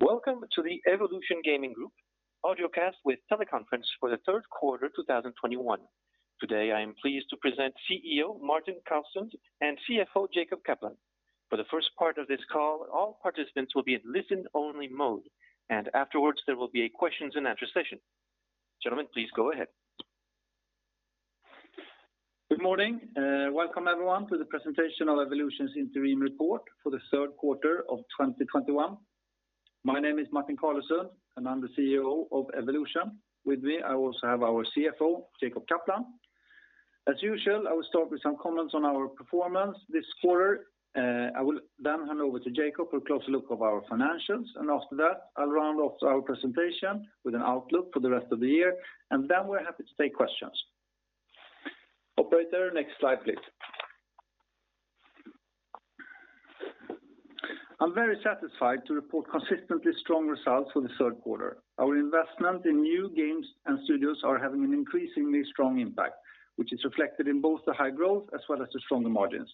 Welcome to the Evolution Gaming Group audiocast with teleconference for the Q3 2021. Today, I am pleased to present CEO Martin Carlesund and CFO Jacob Kaplan. For the first part of this call, all participants will be in listen-only mode, and afterwards, there will be a question and answer session. Gentlemen, please go ahead. Good morning. Welcome everyone to the presentation of Evolution's interim report for the Q3 of 2021. My name is Martin Carlesund, and I'm the CEO of Evolution. With me, I also have our CFO, Jacob Kaplan. As usual, I will start with some comments on our performance this quarter. I will then hand over to Jacob for a closer look of our financials, and after that, I'll round off our presentation with an outlook for the rest of the year, and then we're happy to take questions. Operator, next slide, please. I'm very satisfied to report consistently strong results for the Q3. Our investment in new games and studios are having an increasingly strong impact, which is reflected in both the high growth as well as the stronger margins.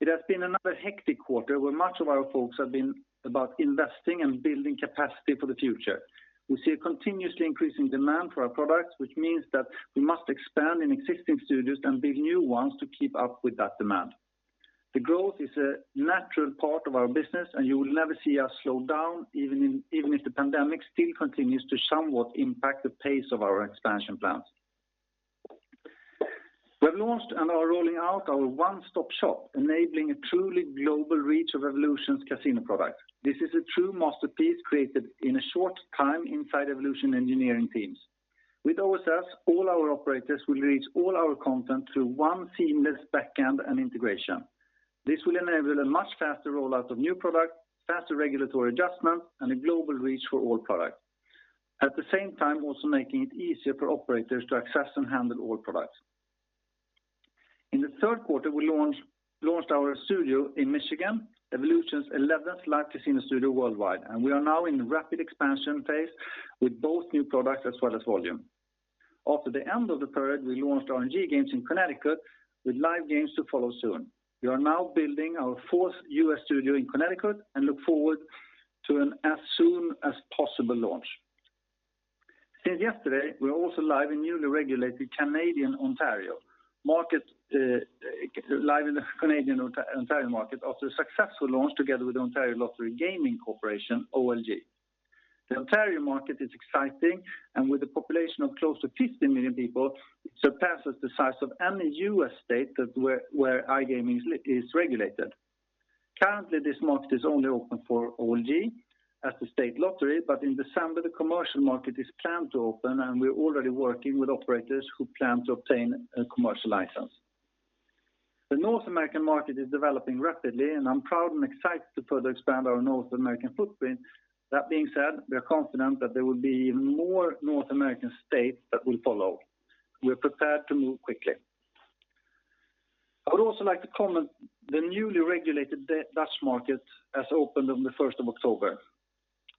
It has been another hectic quarter where much of our focus has been about investing and building capacity for the future. We see a continuously increasing demand for our products, which means that we must expand in existing studios and build new ones to keep up with that demand. The growth is a natural part of our business, and you will never see us slow down even if the pandemic still continues to somewhat impact the pace of our expansion plans. We have launched and are rolling out our One Stop Shop, enabling a truly global reach of Evolution's casino products. This is a true masterpiece created in a short time inside Evolution engineering teams. With OSS, all our operators will reach all our content through one seamless backend and integration. This will enable a much faster rollout of new product, faster regulatory adjustment, and a global reach for all product. At the same time, also making it easier for operators to access and handle all products. In the Q3, we launched our studio in Michigan, Evolution's eleventh live casino studio worldwide, and we are now in rapid expansion phase with both new products as well as volume. After the end of the period, we launched RNG games in Connecticut with live games to follow soon. We are now building our fourth U.S. studio in Connecticut and look forward to an as soon as possible launch. Since yesterday, we're also live in newly regulated Canadian Ontario market, live in the Canadian Ontario market after a successful launch together with Ontario Lottery and Gaming Corporation, OLG. The Ontario market is exciting, and with a population of close to 50 million people, it surpasses the size of any U.S. state where iGaming is regulated. Currently, this market is only open for OLG as the state lottery, but in December, the commercial market is planned to open, and we're already working with operators who plan to obtain a commercial license. The North American market is developing rapidly, and I'm proud and excited to further expand our North American footprint. That being said, we are confident that there will be even more North American states that will follow. We're prepared to move quickly. I would also like to comment that the newly regulated Dutch market has opened on the first of October.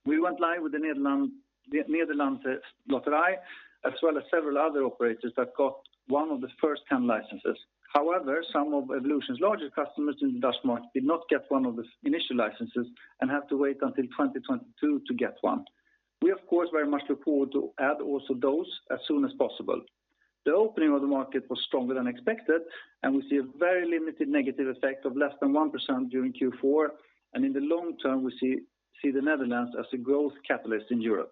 We went live with Nederlandse Loterij, as well as several other operators that got one of the first 10 licenses. However, some of Evolution's largest customers in the Dutch market did not get one of the initial licenses and have to wait until 2022 to get one. We, of course, very much look forward to add also those as soon as possible. The opening of the market was stronger than expected, and we see a very limited negative effect of less than 1% during Q4, and in the long term, we see the Netherlands as a growth catalyst in Europe.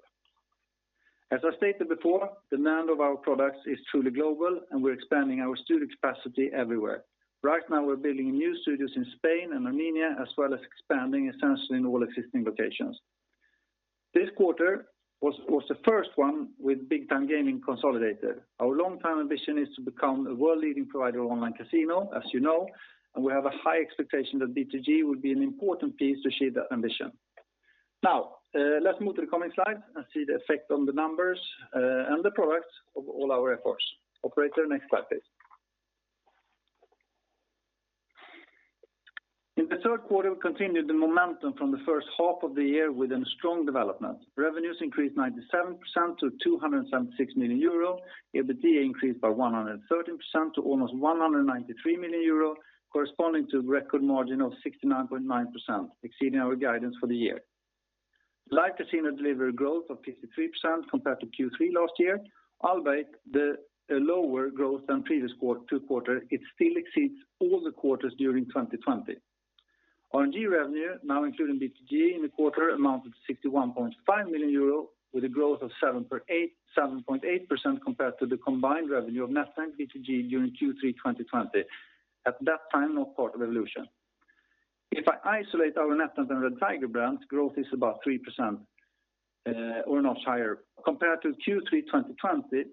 As I stated before, demand of our products is truly global, and we're expanding our studio capacity everywhere. Right now, we're building new studios in Spain and Armenia, as well as expanding substantially in all existing locations. This quarter was the first one with Big Time Gaming consolidated. Our long-time ambition is to become a world-leading provider of online casino, as you know, and we have a high expectation that BTG will be an important piece to achieve that ambition. Now, let's move to the coming slides and see the effect on the numbers, and the products of all our efforts. Operator, next slide, please. In the Q3, we continued the momentum from the first half of the year with a strong development. Revenues increased 97% to 276 million euro. EBITDA increased by 113% to almost 193 million euro, corresponding to a record margin of 69.9%, exceeding our guidance for the year. Live Casino delivered growth of 53% compared to Q3 last year. Albeit the lower growth than previous quarter, it still exceeds all the quarters during 2020. RNG revenue, now including BTG in the quarter, amounted to 61.5 million euro with a growth of 7.8% compared to the combined revenue of NetEnt and BTG during Q3 2020. At that time, not part of Evolution. If I isolate our NetEnt and Red Tiger brands, growth is about 3% or almost higher compared to Q3 2020.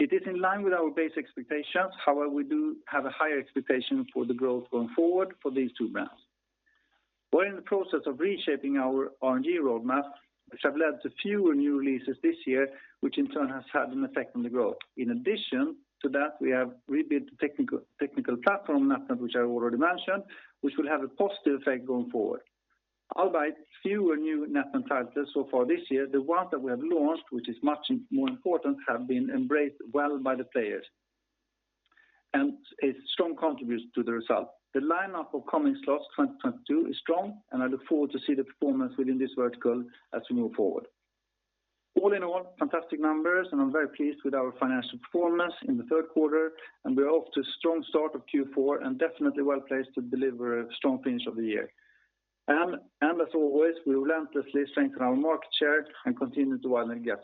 It is in line with our base expectations. However, we do have a higher expectation for the growth going forward for these two brands. We're in the process of reshaping our RNG roadmap, which have led to fewer new releases this year, which in turn has had an effect on the growth. In addition to that, we have rebuilt the technical platform NetEnt, which I already mentioned, which will have a positive effect going forward. Albeit fewer new NetEnt titles so far this year, the ones that we have launched, which is much more important, have been embraced well by the players. A strong contribution to the result. The lineup of coming slots 2022 is strong, and I look forward to see the performance within this vertical as we move forward. All in all, fantastic numbers, and I'm very pleased with our financial performance in the Q3, and we're off to a strong start of Q4 and definitely well-placed to deliver a strong finish of the year. As always, we will endlessly strengthen our market share and continue to. Bet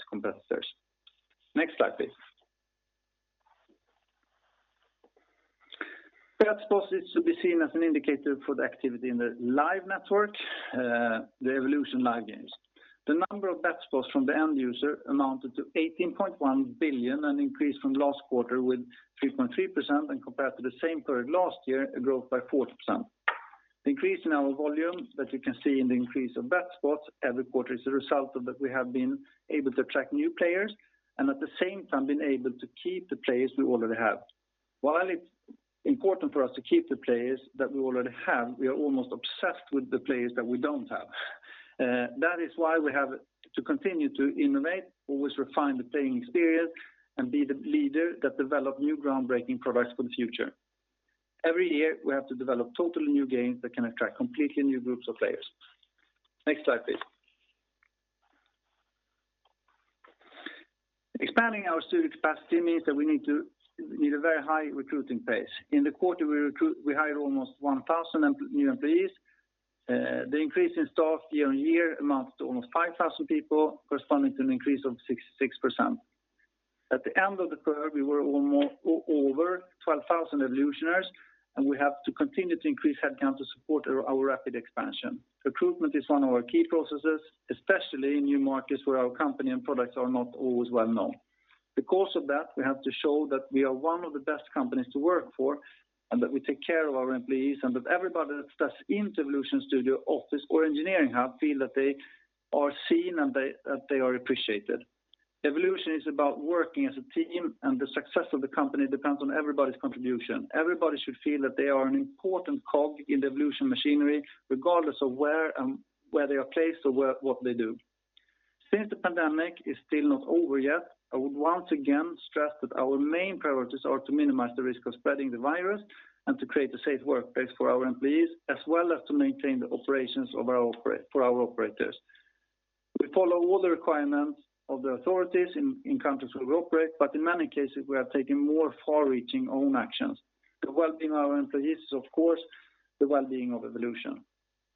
spots is to be seen as an indicator for the activity in the live network, the Evolution live games. The number of bet spots from the end user amounted to 18.1 billion, an increase from last quarter with 3.3% and compared to the same period last year, a growth by 40%. Increase in our volume that you can see in the increase of bet spots every quarter is a result of that we have been able to attract new players and at the same time been able to keep the players we already have. While it's important for us to keep the players that we already have, we are almost obsessed with the players that we don't have. That is why we have to continue to innovate, always refine the playing experience and be the leader that develop new groundbreaking products for the future. Every year, we have to develop totally new games that can attract completely new groups of players. Next slide, please. Expanding our studio capacity means that we need a very high recruiting pace. In the quarter, we hired almost 1,000 new employees. The increase in staff year-over-year amounts to almost 5,000 people corresponding to an increase of 6%. At the end of the quarter, we were over 12,000 Evolutioners, and we have to continue to increase head count to support our rapid expansion. Recruitment is one of our key processes, especially in new markets where our company and products are not always well known. Because of that, we have to show that we are one of the best companies to work for and that we take care of our employees and that everybody that steps into Evolution studio office or engineering hub feel that they are seen and that they are appreciated. Evolution is about working as a team, and the success of the company depends on everybody's contribution. Everybody should feel that they are an important cog in the Evolution machinery, regardless of where they are placed or what they do. Since the pandemic is still not over yet, I would once again stress that our main priorities are to minimize the risk of spreading the virus and to create a safe workplace for our employees, as well as to maintain the operations for our operators. We follow all the requirements of the authorities in countries where we operate, but in many cases, we are taking more far-reaching own actions. The wellbeing of our employees is, of course, the wellbeing of Evolution.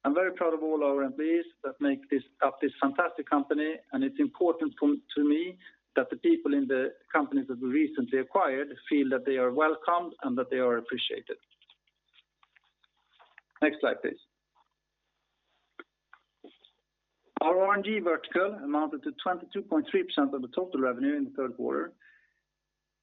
I'm very proud of all our employees that make up this fantastic company, and it's important point to me that the people in the companies that we recently acquired feel that they are welcomed and that they are appreciated. Next slide, please. Our RNG vertical amounted to 22.3% of the total revenue in the Q3.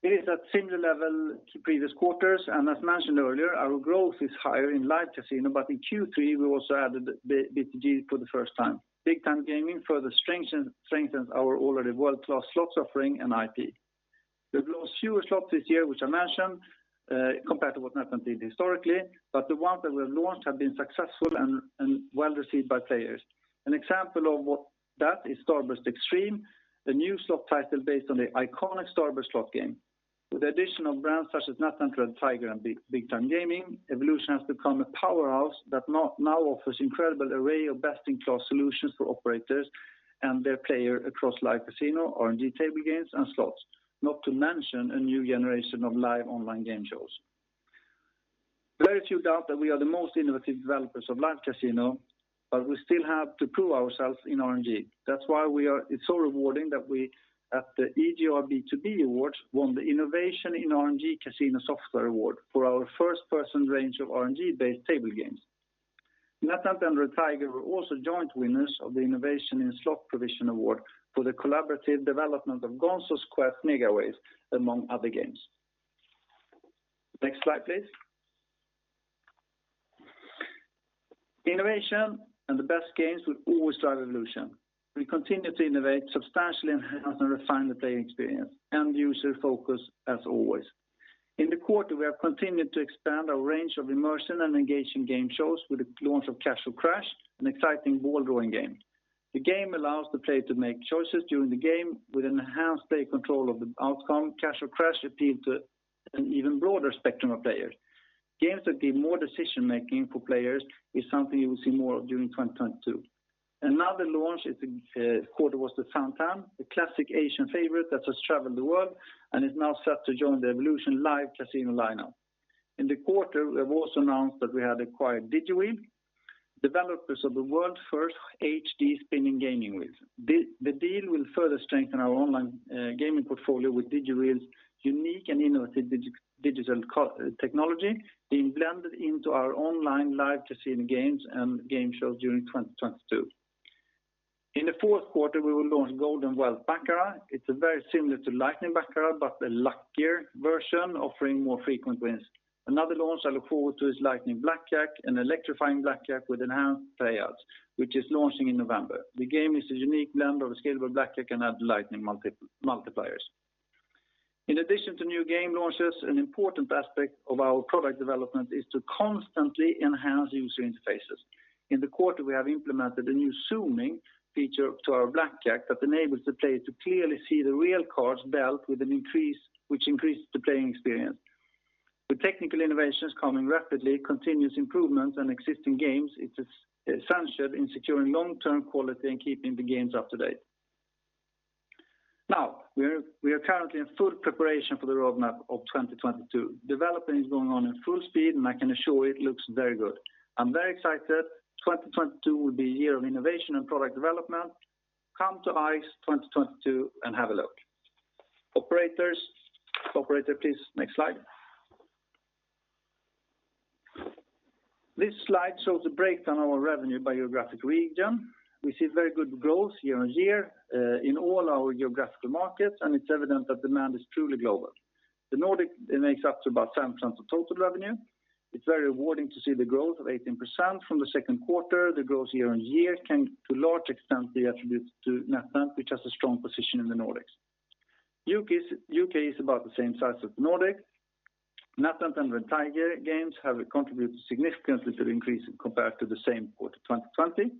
It is at similar level to previous quarters, and as mentioned earlier, our growth is higher in Live Casino, but in Q3, we also added BTG for the first time. Big Time Gaming further strengthens our already world-class slots offering and IP. We've launched fewer slots this year, which I mentioned, compared to what NetEnt did historically, but the ones that we've launched have been successful and well-received by players. An example of what that is Starburst XXXtreme, the new slot title based on the iconic Starburst slot game. With the addition of brands such as NetEnt and Red Tiger and Big Time Gaming, Evolution has become a powerhouse that now offers incredible array of best-in-class solutions for operators and their players across Live Casino, RNG table games, and slots, not to mention a new generation of live online game shows. Very few doubt that we are the most innovative developers of Live Casino, but we still have to prove ourselves in RNG. It's so rewarding that we, at the EGR B2B Awards, won the Innovation in RNG Casino Software Award for our First Person range of RNG-based table games. NetEnt and Red Tiger were also joint winners of the Innovation in Slot Provision Award for the collaborative development of Gonzo's Quest Megaways, among other games. Next slide, please. Innovation and the best games will always drive Evolution. We continue to innovate, substantially enhance, and refine the playing experience, end-user focus as always. In the quarter, we have continued to expand our range of immersive and engaging game shows with the launch of Cash or Crash, an exciting ball-rolling game. The game allows the player to make choices during the game with enhanced player control of the outcome. Cash or Crash appealed to an even broader spectrum of players. Games that give more decision-making for players is something you will see more of during 2022. Another launch in the quarter was the Fan Tan, the classic Asian favorite that has traveled the world and is now set to join the Evolution Live Casino lineup. In the quarter, we have also announced that we had acquired DigiWheel, developers of the world's first HD rotating gaming wheel. The deal will further strengthen our online gaming portfolio with DigiWheel's unique and innovative digital core technology being blended into our online Live Casino games and game shows during 2022. In the Q4, we will launch Golden Wealth Baccarat. It's very similar to Lightning Baccarat, but a luckier version offering more frequent wins. Another launch I look forward to is Lightning Blackjack, an electrifying blackjack with enhanced payouts, which is launching in November. The game is a unique blend of a scalable blackjack and added Lightning multipliers. In addition to new game launches, an important aspect of our product development is to constantly enhance user interfaces. In the quarter, we have implemented a new zooming feature to our blackjack that enables the player to clearly see the real cards dealt, which increases the playing experience. The technical innovations coming rapidly, continuous improvements in existing games, it is essential in securing long-term quality and keeping the games up to date. Now, we are currently in full preparation for the roadmap of 2022. Development is going on in full speed, and I can assure it looks very good. I'm very excited. 2022 will be a year of innovation and product development. Come to ICE 2022 and have a look. Operator, please next slide. This slide shows a breakdown of our revenue by geographic region. We see very good growth year-on-year in all our geographical markets, and it's evident that demand is truly global. The Nordics make up about 7% of total revenue. It's very rewarding to see the growth of 18% from the Q2. The growth year-on-year can, to large extent, be attributed to NetEnt, which has a strong position in the Nordics. UK is about the same size as Nordics. NetEnt and Red Tiger have contributed significantly to the increase compared to the same quarter 2020.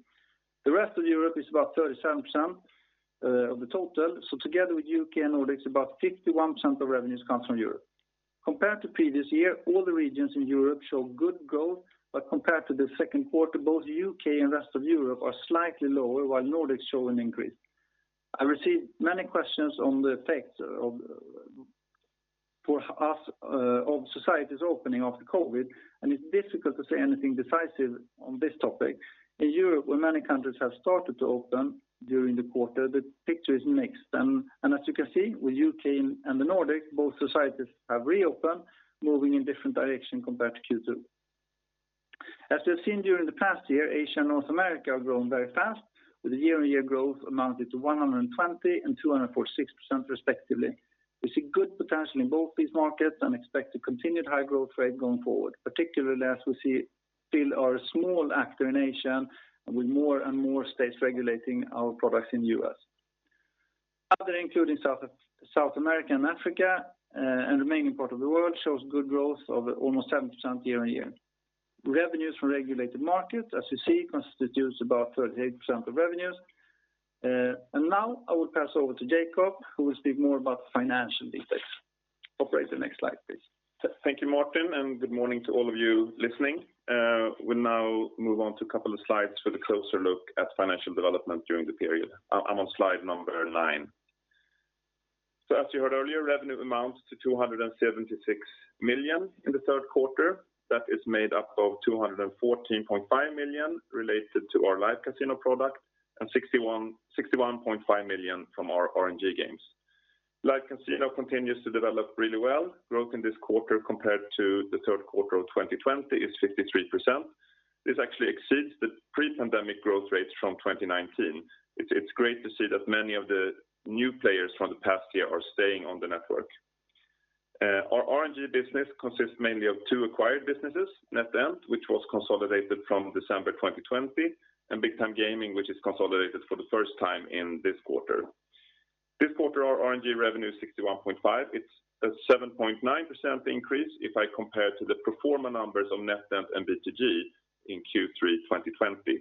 The rest of Europe is about 37% of the total. Together with UK and Nordics, about 51% of revenues come from Europe. Compared to previous year, all the regions in Europe show good growth. Compared to the Q2, both U.K. and rest of Europe are slightly lower, while Nordics show an increase. I received many questions on the effects of, for us, of societies opening after COVID, and it's difficult to say anything decisive on this topic. In Europe, where many countries have started to open during the quarter, the picture is mixed. As you can see, with U.K. and the Nordics, both societies have reopened, moving in different direction compared to Q2. As we have seen during the past year, Asia and North America are growing very fast, with the year-on-year growth amounting to 120% and 246% respectively. We see good potential in both these markets and expect a continued high growth rate going forward, particularly as we still are a small actor in Asia and with more and more states regulating our products in the U.S. Other, including South America and Africa, and remaining part of the world shows good growth of almost 7% year-on-year. Revenues from regulated markets, as you see, constitutes about 38% of revenues. Now I will pass over to Jacob, who will speak more about the financial details. Operator, next slide, please. Thank you, Martin, and good morning to all of you listening. We'll now move on to a couple of slides with a closer look at financial development during the period. I'm on slide number nine. As you heard earlier, revenue amounts to 276 million in the Q3. That is made up of 214.5 million related to our Live Casino product and 61.5 million from our RNG games. Live Casino continues to develop really well. Growth in this quarter compared to the Q3 of 2020 is 53%. This actually exceeds the pre-pandemic growth rates from 2019. It's great to see that many of the new players from the past year are staying on the network. Our RNG business consists mainly of two acquired businesses, NetEnt, which was consolidated from December 2020, and Big Time Gaming, which is consolidated for the first time in this quarter. This quarter, our RNG revenue is 61.5 million. It's a 7.9% increase if I compare to the pro forma numbers of NetEnt and BTG in Q3 2020.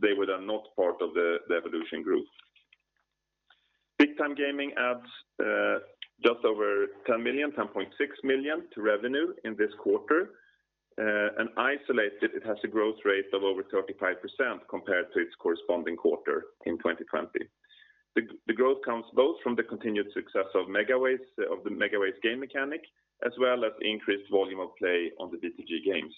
They were not part of the Evolution group. Big Time Gaming adds just over 10 million, 10.6 million to revenue in this quarter. Isolated, it has a growth rate of over 35% compared to its corresponding quarter in 2020. The growth comes both from the continued success of Megaways, the Megaways game mechanic, as well as increased volume of play on the BTG games.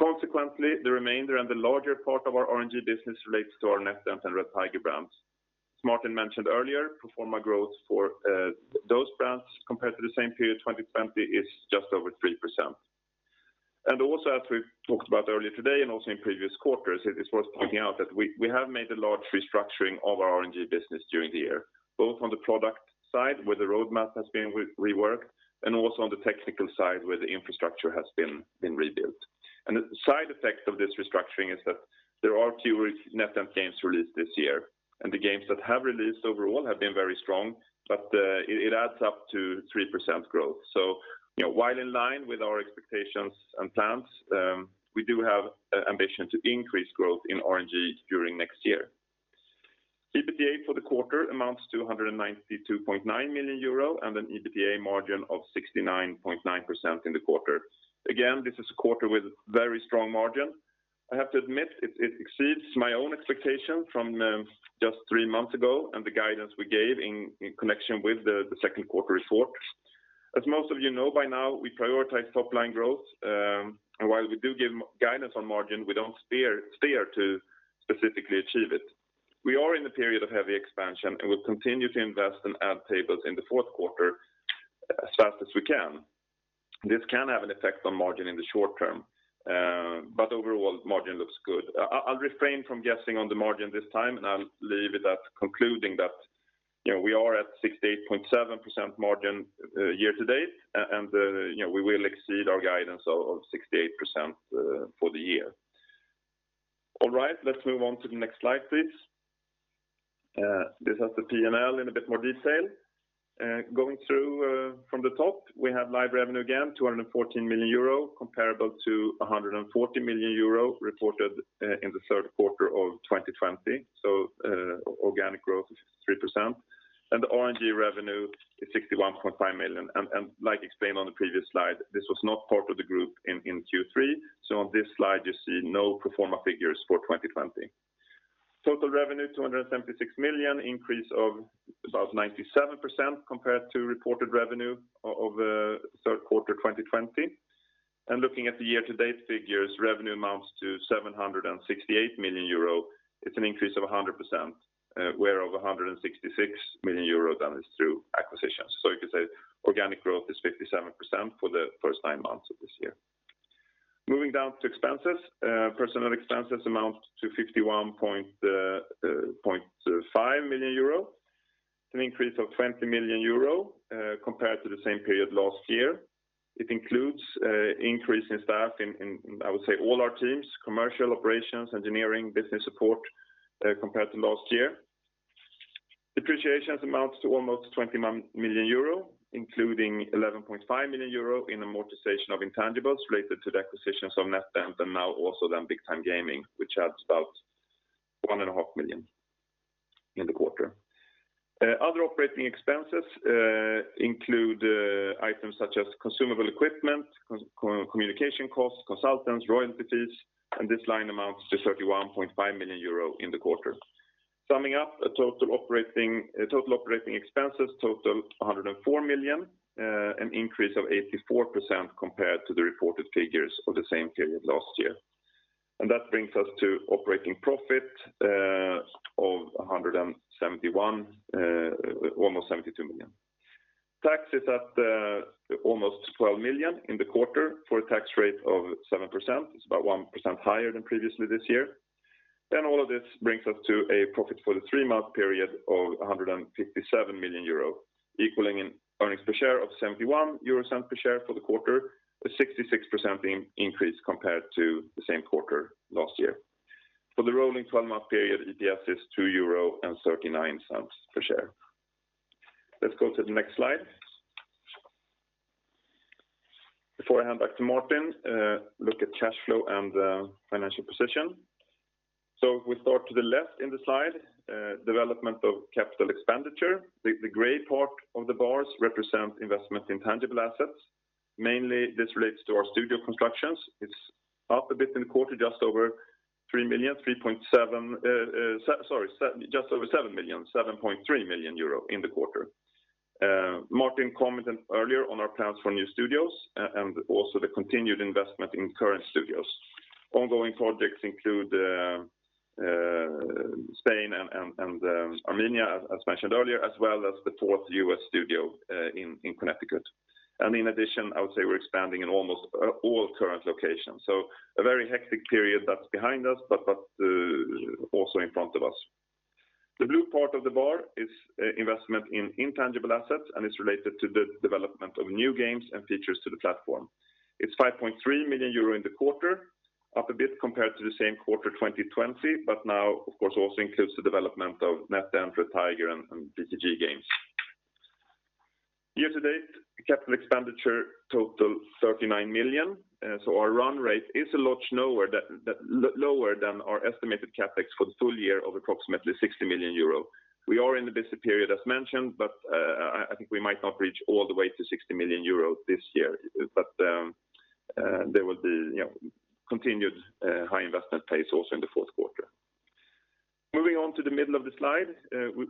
Consequently, the remainder and the larger part of our RNG business relates to our NetEnt and Red Tiger brands. Martin mentioned earlier, pro forma growth for those brands compared to the same period 2020 is just over 3%. Also, as we talked about earlier today and also in previous quarters, it is worth pointing out that we have made a large restructuring of our RNG business during the year, both on the product side, where the roadmap has been reworked, and also on the technical side, where the infrastructure has been rebuilt. The side effect of this restructuring is that there are fewer NetEnt games released this year. The games that have released overall have been very strong, but it adds up to 3% growth. You know, while in line with our expectations and plans, we do have ambition to increase growth in RNG during next year. EBITDA for the quarter amounts to 192.9 million euro and an EBITDA margin of 69.9% in the quarter. Again, this is a quarter with very strong margin. I have to admit it exceeds my own expectation from just three months ago and the guidance we gave in connection with the Q2 report. As most of you know by now, we prioritize top-line growth, and while we do give margin guidance on margin, we don't steer to specifically achieve it. We are in the period of heavy expansion and will continue to invest and add tables in the Q4 as fast as we can. This can have an effect on margin in the short term, but overall margin looks good. I'll refrain from guessing on the margin this time, and I'll leave it at concluding that, you know, we are at 68.7% margin, year to date, and, you know, we will exceed our guidance of 68%, for the year. All right, let's move on to the next slide, please. This has the P&L in a bit more detail. Going through, from the top, we have live revenue again, 214 million euro, comparable to 140 million euro reported in the Q3 of 2020. Organic growth is 3%. The RNG revenue is 61.5 million. Like explained on the previous slide, this was not part of the group in Q3. On this slide you see no pro forma figures for 2020. Total revenue 276 million EUR, increase of about 97% compared to reported revenue of Q3 2020. Looking at the year-to-date figures, revenue amounts to 768 million euro. It's an increase of 100%, whereof 166 million euro is done through acquisitions. You could say organic growth is 57% for the first nine months of this year. Moving down to expenses. Personnel expenses amount to 51.5 million euro. It's an increase of 20 million euro compared to the same period last year. It includes increase in staff in all our teams, commercial, operations, engineering, business support, compared to last year. Depreciation amounts to almost 20 million euro, including 11.5 million euro in amortization of intangibles related to the acquisitions of NetEnt and now also then Big Time Gaming, which adds about 1.5 million in the quarter. Other operating expenses include items such as consumable equipment, communication costs, consultants, royalty fees, and this line amounts to 31.5 million euro in the quarter. Summing up, total operating expenses total 104 million, an increase of 84% compared to the reported figures for the same period last year. That brings us to operating profit of 171 million, almost 172 million. Tax is at almost 12 million in the quarter for a tax rate of 7%. It's about 1% higher than previously this year All of this brings us to a profit for the three-month period of 157 million euro, equaling an earnings per share of 0.71 EUR per share for the quarter, a 66% increase compared to the same quarter last year. For the rolling twelve-month period, EPS is 2.39 euro per share. Let's go to the next slide. Before I hand back to Martin, look at cash flow and financial position. If we start to the left in the slide, development of capital expenditure, the gray part of the bars represent investment in tangible assets. Mainly this relates to our studio constructions. It's up a bit in the quarter, just over 7.3 million euro in the quarter. Martin commented earlier on our plans for new studios and also the continued investment in current studios. Ongoing projects include Spain and Armenia, as mentioned earlier, as well as the fourth U.S. studio in Connecticut. In addition, I would say we're expanding in almost all current locations. A very hectic period that's behind us, but also in front of us. The blue part of the bar is investment in intangible assets, and it's related to the development of new games and features to the platform. It's 5.3 million euro in the quarter, up a bit compared to the same quarter 2020, but now of course also includes the development of NetEnt, Red Tiger, and BTG games. Year to date, capital expenditure total 39 million, so our run rate is a lot lower than our estimated CapEx for the full year of approximately 60 million euro. We are in the busy period as mentioned, but I think we might not reach all the way to 60 million euro this year. There will be, you know, continued high investment pace also in the Q4. Moving on to the middle of the slide,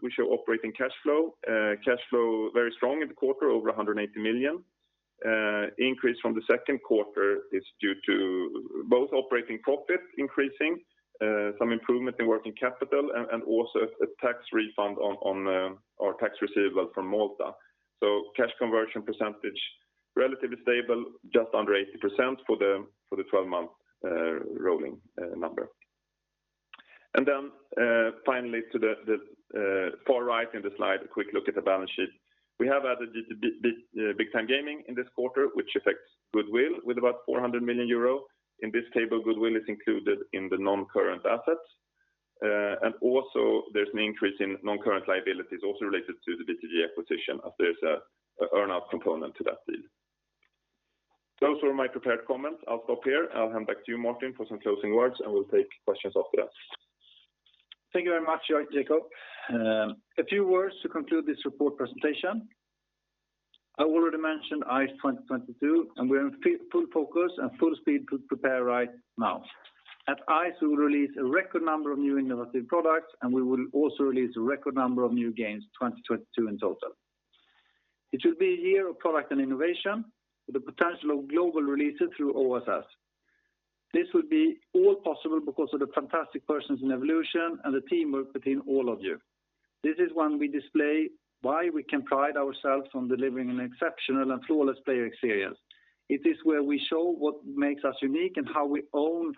we show operating cash flow. Cash flow very strong in the quarter, over 180 million. Increase from the Q2 is due to both operating profit increasing, some improvement in working capital and also a tax refund on our tax receivable from Malta. Cash conversion percentage relatively stable, just under 80% for the 12-month rolling number. Then, finally, to the far right in the slide, a quick look at the balance sheet. We have added Big Time Gaming in this quarter, which affects goodwill with about 400 million euro. In this table, goodwill is included in the non-current assets. And also there's an increase in non-current liabilities also related to the BTG acquisition, as there's an earn out component to that deal. Those were my prepared comments. I'll stop here. I'll hand back to you, Martin, for some closing words, and we'll take questions after that. Thank you very much, Jacob. A few words to conclude this report presentation. I already mentioned ICE 2022, and we're in full focus and full speed to prepare right now. At ICE, we will release a record number of new innovative products, and we will also release a record number of new games 2022 in total. It will be a year of product and innovation with the potential of global releases through OSS. This will be all possible because of the fantastic persons in Evolution and the teamwork between all of you. This is when we display why we can pride ourselves on delivering an exceptional and flawless player experience. It is where we show what makes us unique and how we own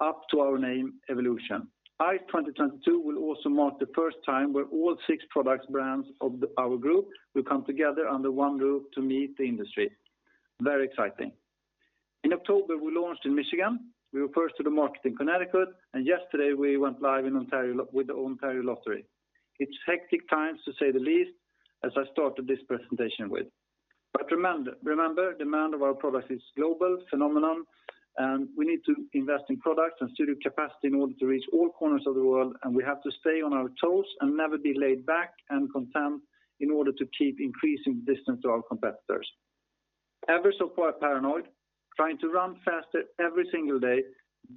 up to our name Evolution. ICE 2022 will also mark the first time where all six product brands of our group will come together under one roof to meet the industry. Very exciting. In October, we launched in Michigan. We were first to the market in Connecticut, and yesterday we went live in Ontario with the Ontario Lottery. It's hectic times, to say the least, as I started this presentation with. Remember, demand of our product is global phenomenon, and we need to invest in products and studio capacity in order to reach all corners of the world, and we have to stay on our toes and never be laid back and content in order to keep increasing distance to our competitors. Ever so quite paranoid, trying to run faster every single day,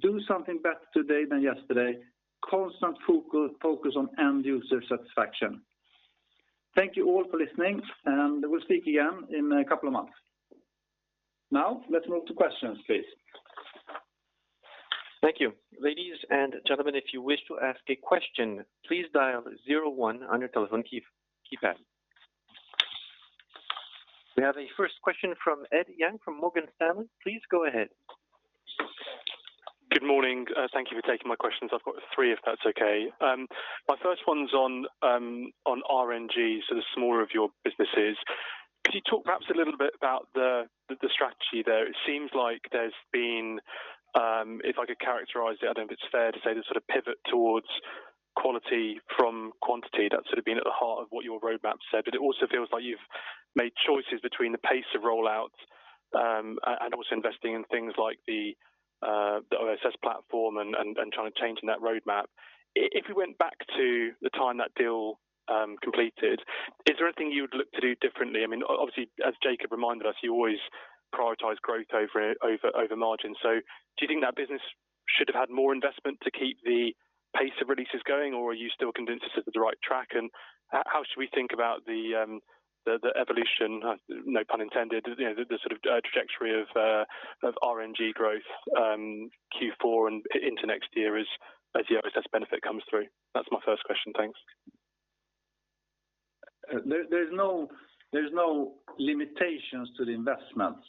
do something better today than yesterday, constant focus on end-user satisfaction. Thank you all for listening, and we'll speak again in a couple of months. Now let's move to questions, please. Thank you. Ladies and gentlemen, if you wish to ask a question, please dial zero one on your telephone keypad. We have a first question from Ed Young, from Morgan Stanley. Please go ahead. Good morning. Thank you for taking my questions. I've got three, if that's okay. My first one's on RNG, so the smaller of your businesses. Could you talk perhaps a little bit about the strategy there? It seems like there's been, if I could characterize it, I don't know if it's fair to say the sort of pivot towards quality from quantity. That's sort of been at the heart of what your roadmap said. But it also feels like you've made choices between the pace of rollouts and also investing in things like the OSS platform and trying to change in that roadmap. If we went back to the time that deal completed, is there anything you would look to do differently? I mean, obviously, as Jacob reminded us, you always prioritize growth over margin. Do you think that business should have had more investment to keep the pace of releases going, or are you still convinced it's at the right track? How should we think about the evolution, no pun intended, you know, the sort of trajectory of RNG growth, Q4 and into next year as the OSS benefit comes through? That's my first question. Thanks. There's no limitations to the investments,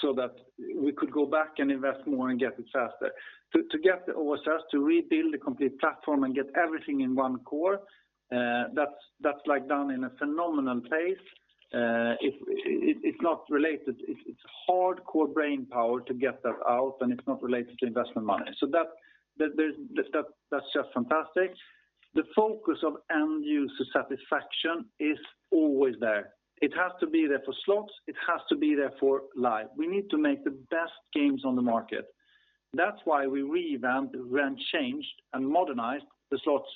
so that we could go back and invest more and get it faster. To get the OSS to rebuild the complete platform and get everything in one core, that's done in a phenomenal pace. It's not related. It's hardcore brainpower to get that out, and it's not related to investment money. That's just fantastic. The focus of end-user satisfaction is always there. It has to be there for slots. It has to be there for live. We need to make the best games on the market. That's why we revamped and changed and modernized the slots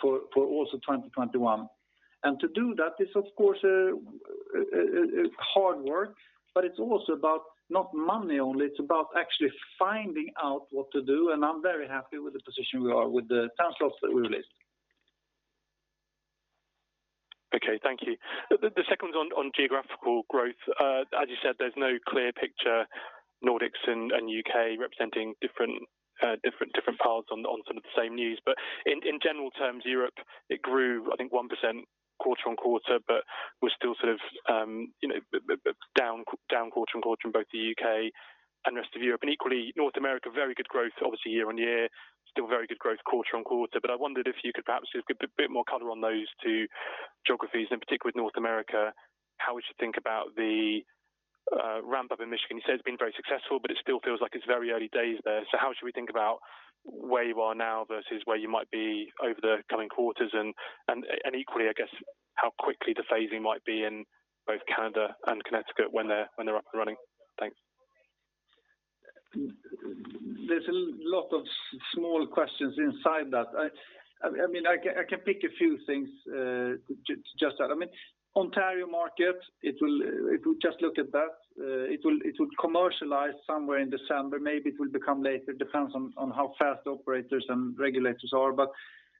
for also 2021. To do that is of course hard work, but it's also about not money only, it's about actually finding out what to do, and I'm very happy with the position we are with the 10 slots that we released. The second one on geographical growth. As you said, there's no clear picture, Nordics and U.K. representing different parts on some of the same news. In general terms, Europe, it grew, I think 1% quarter-on-quarter, but was still sort of down quarter-on-quarter in both the U.K. and rest of Europe. Equally, North America, very good growth, obviously year-on-year, still very good growth quarter-on-quarter. I wondered if you could perhaps just give a bit more color on those two geographies, and particularly with North America, how we should think about the ramp up in Michigan. You said it's been very successful, but it still feels like it's very early days there. How should we think about where you are now versus where you might be over the coming quarters? Equally, I guess, how quickly the phasing might be in both Canada and Connecticut when they're up and running? Thanks. There's a lot of small questions inside that. I mean, I can pick a few things to just that. Ontario market, it will, if we just look at that, it will commercialize somewhere in December. Maybe it will become later. It depends on how fast the operators and regulators are.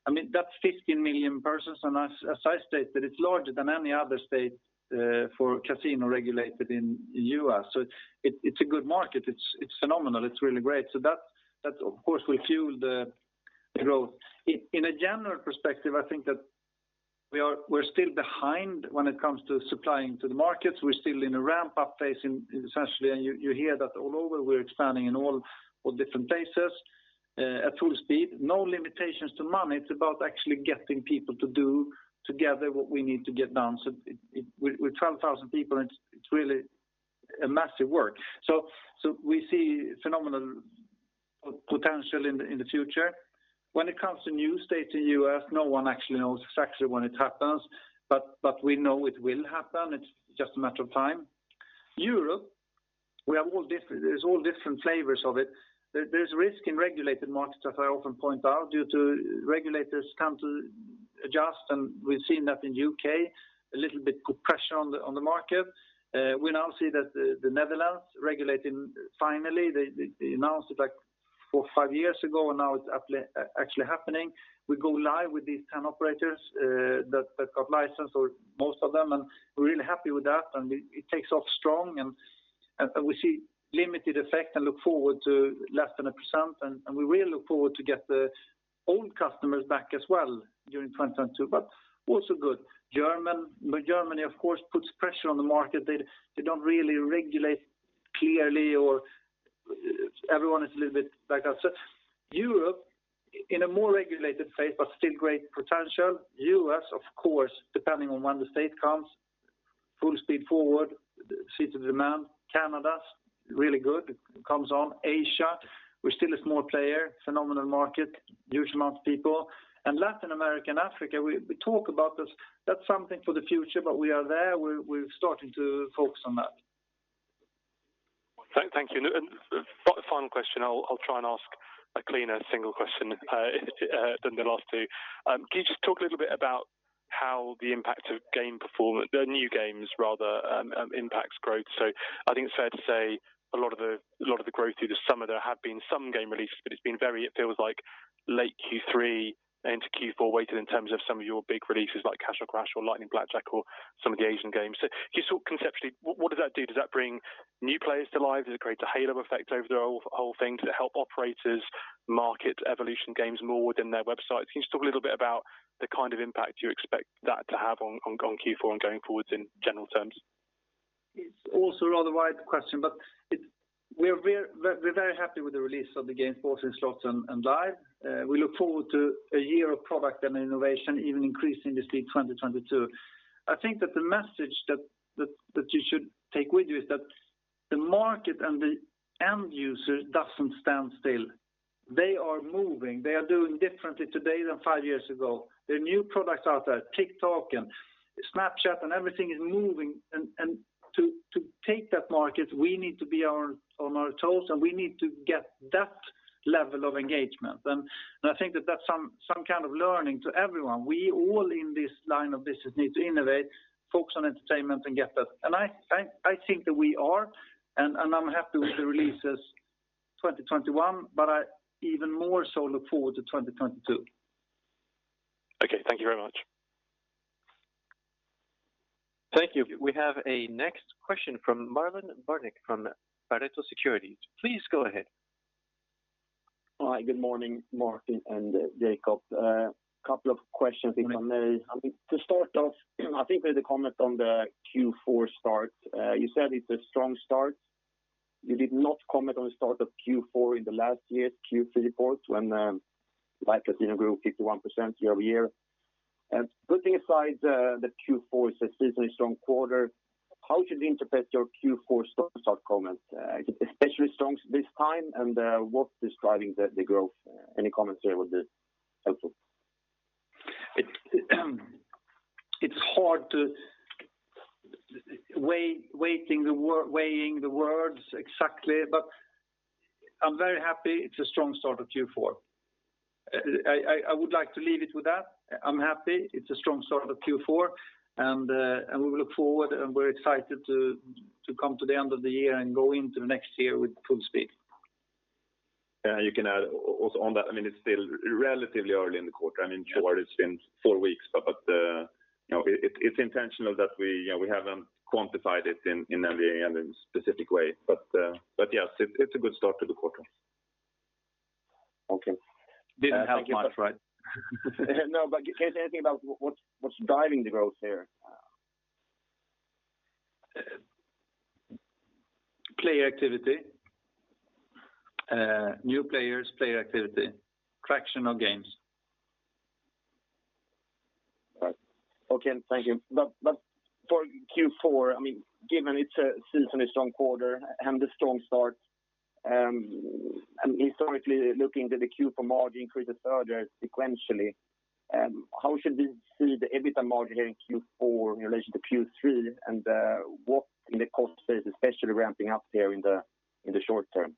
I mean, that's 15 million persons, and as I stated, it's larger than any other state for casino regulated in U.S. It's a good market. It's phenomenal. It's really great. That of course will fuel the growth. In a general perspective, I think that we're still behind when it comes to supplying to the markets. We're still in a ramp-up phase essentially. You hear that all over. We're expanding in all different places at full speed. No limitations to money. It's about actually getting people to do together what we need to get done. We're 12,000 people, and it's really a massive work. We see phenomenal potential in the future. When it comes to new states in U.S., no one actually knows exactly when it happens, but we know it will happen. It's just a matter of time. Europe, we have all different flavors of it. There's risk in regulated markets, as I often point out, due to regulators come to adjust, and we've seen that in U.K., a little bit pressure on the market. We now see that the Netherlands regulating finally. They announced it, like, 4-5 years ago, and now it's actually happening. We go live with these 10 operators that got licensed or most of them, and we're really happy with that. It takes off strong, and we see limited effect and look forward to less than 1%. We really look forward to get the old customers back as well during 2022. Also good. Germany, of course, puts pressure on the market. They don't really regulate clearly or everyone is a little bit like that. Europe in a more regulated phase, but still great potential. U.S., of course, depending on when the state comes, full speed forward. Steady demand, Canada's really good, comes on. Asia, we're still a small player, phenomenal market, huge amount of people. Latin America and Africa, we talk about this, that's something for the future, but we are there. We're starting to focus on that. Thank you. Final question, I'll try and ask a cleaner single question than the last two. Can you just talk a little bit about how the impact of the new games rather impacts growth? I think it's fair to say a lot of the growth through the summer there have been some game releases, but it feels like late Q3 into Q4 weighted in terms of some of your big releases like Cash or Crash or Lightning Blackjack or some of the Asian games. Can you talk conceptually, what does that do? Does that bring new players to live? Does it create a halo effect over the whole thing? Does it help operators market Evolution games more within their websites? Can you just talk a little bit about the kind of impact you expect that to have on Q4 and going forward in general terms? It's also a rather wide question, but we're very happy with the release of the games, both in slots and live. We look forward to a year of product and innovation, even increasing this in 2022. I think that the message that you should take with you is that the market and the end user doesn't stand still. They are moving. They are doing differently today than five years ago. There are new products out there, TikTok and Snapchat, and everything is moving. To take that market, we need to be on our toes, and we need to get that level of engagement. I think that that's some kind of learning to everyone. We all in this line of business need to innovate, focus on entertainment, and get that. I think that we are, and I'm happy with the releases 2021, but I even more so look forward to 2022. Okay. Thank you very much. Thank you. We have a next question from Marlon Värnik from Pareto Securities. Please go ahead. All right. Good morning, Martin and Jacob. Couple of questions if I may. Good morning. I mean, to start off, I think there's a comment on the Q4 start. You said it's a strong start. You did not comment on the start of Q4 in the last year's Q3 report when Live Casino grew 51% year-over-year. Putting aside that Q4 is a seasonally strong quarter, how should we interpret your Q4 start comment? Especially strong this time and what's driving the growth? Any comments there would be helpful. It's hard to weigh the words exactly, but I'm very happy it's a strong start of Q4. I would like to leave it with that. I'm happy it's a strong start of Q4. We look forward and we're excited to come to the end of the year and go into next year with full speed. Yeah, you can add also on that. I mean, it's still relatively early in the quarter. I mean, sure it's been four weeks, but you know, it's intentional that we, you know, we haven't quantified it in every and in specific way. Yes, it's a good start to the quarter. Okay. Didn't help much, right? No, can you say anything about what's driving the growth here? Player activity, new players, player activity, traction of games. Right. Okay, thank you. For Q4, I mean, given it's a seasonally strong quarter and a strong start, and historically looking that the Q4 margin increases further sequentially, how should we see the EBITDA margin here in Q4 in relation to Q3 and what in the cost base, especially ramping up there in the short term?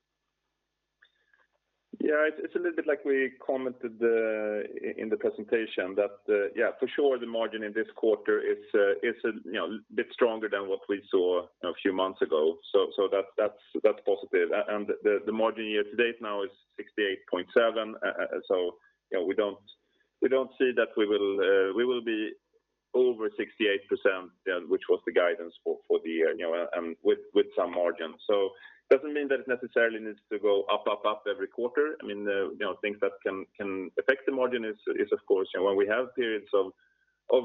Yeah. It's a little bit like we commented in the presentation that yeah, for sure the margin in this quarter is you know, a bit stronger than what we saw you know, a few months ago. That's positive. The margin year to date now is 68.7%. You know, we don't see that we will be over 68%, which was the guidance for the year you know, with some margin. Doesn't mean that it necessarily needs to go up every quarter. I mean, you know, the things that can affect the margin is of course you know when we have periods of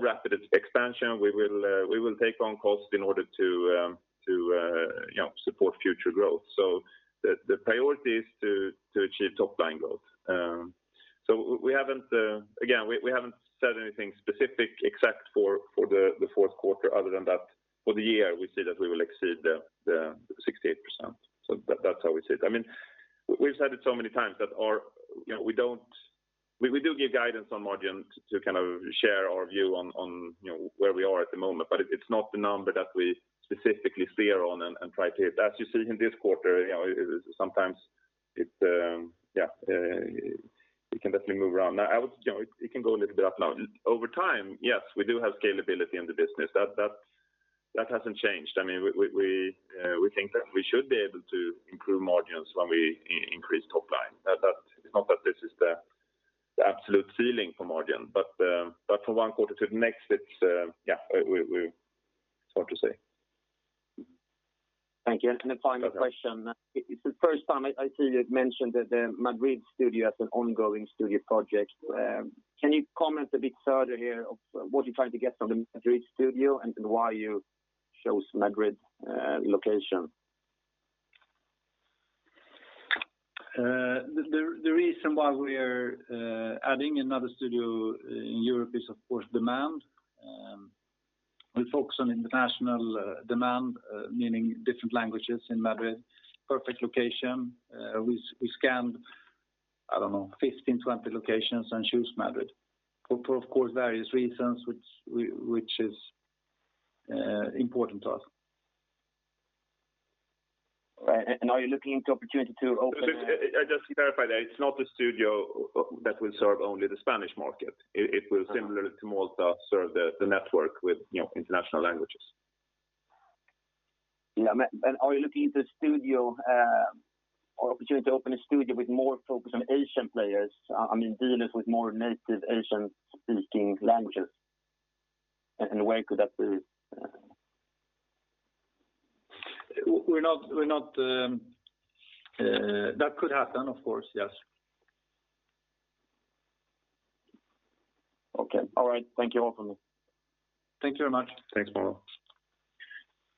rapid expansion, we will take on costs in order to you know support future growth. The priority is to achieve top line growth. We haven't, again, said anything specific except for the Q4 other than that for the year we see that we will exceed the 68%. That's how we see it. I mean, we've said it so many times that, you know, we don't. We do give guidance on margin to kind of share our view on, you know, where we are at the moment, but it's not the number that we specifically steer on and try to hit. As you see in this quarter, you know, sometimes it can definitely move around. You know, it can go a little bit up now. Over time, yes, we do have scalability in the business. That hasn't changed. I mean, we think that we should be able to improve margins when we increase top line. It's not that this is the absolute ceiling for margin, but from one quarter to the next, it's hard to say. Thank you. Final question. It's the first time I see you've mentioned the Madrid studio as an ongoing studio project. Can you comment a bit further here of what you're trying to get from the Madrid studio and why you chose Madrid location? The reason why we are adding another studio in Europe is of course demand. We focus on international demand, meaning different languages in Madrid. Perfect location. We scanned, I don't know, 15, 20 locations and choose Madrid for of course various reasons which is important to us. Right. Are you looking into opportunity to open? Just to clarify that it's not a studio that will serve only the Spanish market. It will similar to Malta serve the network with, you know, international languages. Yeah. Are you looking into studio or opportunity to open a studio with more focus on Asian players? I mean, dealing with more native Asian speaking languages, and where could that be, We're not that could happen of course, yes. Okay. All right. Thank you all for me. Thank you very much. Thanks, Paolo.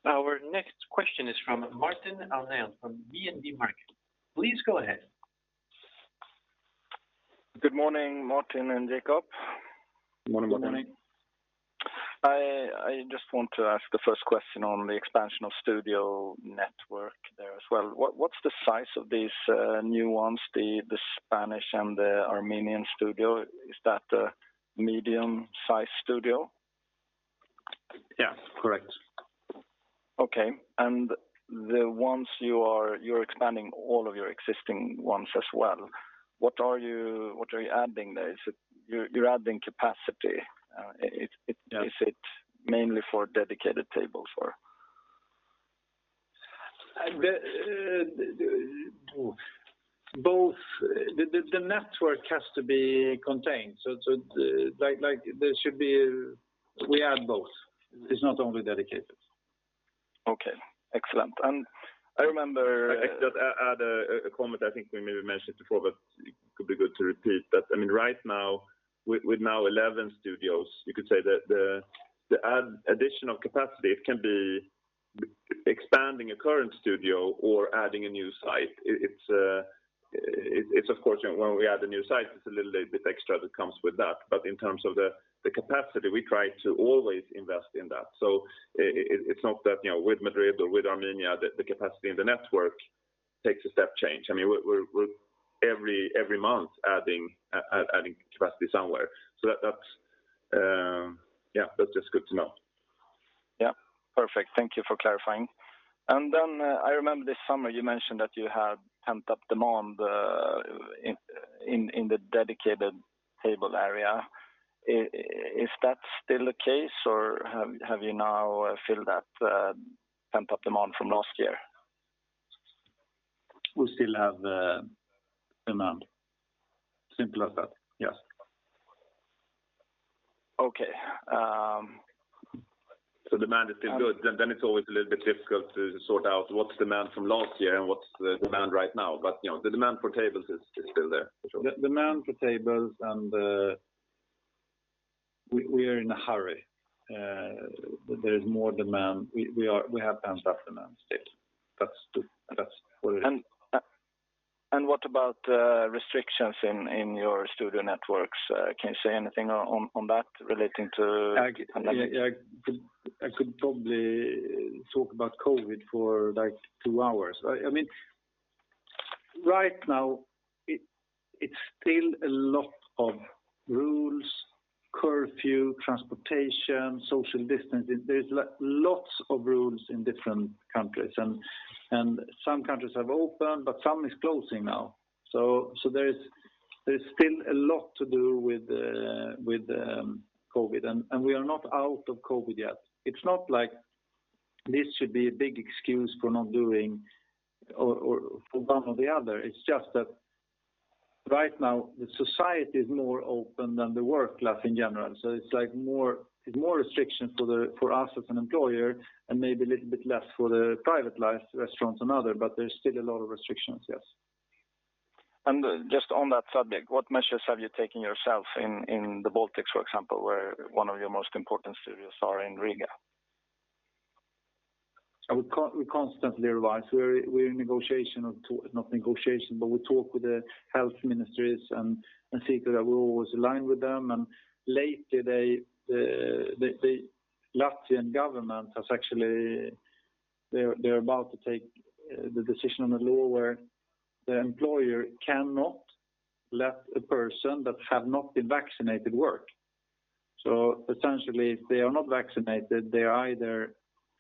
Our next question is from Martin Arnell from DNB Markets. Please go ahead. Good morning, Martin and Jacob. Morning, Martin. Morning. I just want to ask the first question on the expansion of studio network there as well. What’s the size of these new ones, the Spanish and the Armenian studio? Is that a medium size studio? Yeah, correct. Okay. You're expanding all of your existing ones as well. What are you adding there? Is it you're adding capacity? Yes. Is it mainly for dedicated tables or? Both. The network has to be contained. Like there should be. We add both. It's not only dedicated. Okay. Excellent. I remember. I just add a comment. I think we maybe mentioned before, but it could be good to repeat that. I mean, right now with now 11 studios, you could say that the additional capacity, it can be expanding a current studio or adding a new site. It's of course when we add a new site, it's a little bit extra that comes with that. In terms of the capacity, we try to always invest in that. It's not that, you know, with Madrid or with Armenia, the capacity in the network takes a step change. I mean, we're every month adding capacity somewhere. That's just good to know. Yeah. Perfect. Thank you for clarifying. I remember this summer you mentioned that you had pent-up demand in the dedicated table area. Is that still the case or have you now filled that pent-up demand from last year? We still have the demand. Simple as that. Yes. Okay. Demand is still good then. It's always a little bit difficult to sort out what's demand from last year and what's the demand right now. You know, the demand for tables is still there for sure. The demand for tables and we are in a hurry. There is more demand. We have pent up demand still. That's what it is. What about restrictions in your studio networks? Can you say anything on that relating to pandemic? I could probably talk about COVID for like two hours. I mean, right now it's still a lot of rules, curfew, transportation, social distancing. There's lots of rules in different countries and some countries have opened, but some is closing now. There's still a lot to do with COVID and we are not out of COVID yet. It's not like this should be a big excuse for not doing or for one or the other. It's just that right now the society is more open than the workplace in general. It's like more restrictions for us as an employer and maybe a little bit less for the private life, restaurants and other, but there's still a lot of restrictions, yes. Just on that subject, what measures have you taken yourself in the Baltics, for example, where one of your most important studios are in Riga? We constantly revise. We talk with the health ministries and see that we're always aligned with them. Lately, the Latvian government has actually, they're about to take the decision on the law where the employer cannot let a person that have not been vaccinated work. Essentially if they are not vaccinated, they're either